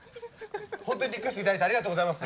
本当にリクエスト頂いてありがとうございます。